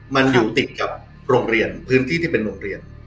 มันอยู่ติดกับโรงเรียนพื้นที่ที่เป็นโรงเรียน